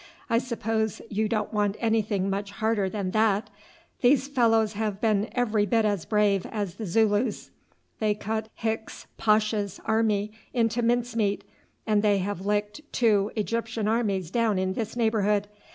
I suppose you don't want anything much harder than that? These fellows have been every bit as brave as the Zulus. They cut Hicks Pasha's army into mincemeat, and they have licked two Egyptian armies down in this neighbourhood.